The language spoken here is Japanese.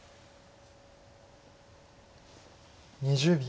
２０秒。